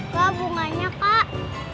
kak bunganya kak